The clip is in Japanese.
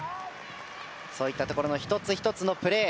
そういったところの１つ１つのプレー